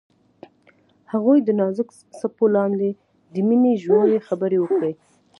هغوی د نازک څپو لاندې د مینې ژورې خبرې وکړې.